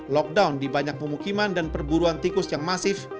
lockdown di banyak pemukiman dan perburuan tikus yang masif